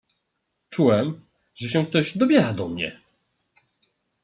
"Czułem, że się ktoś dobiera do mnie."